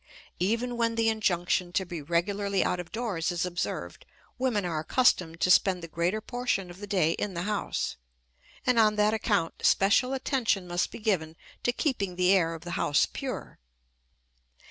Even when the injunction to be regularly out of doors is observed women are accustomed to spend the greater portion of the day in the house, and on that account special attention must be given to keeping the air of the house pure.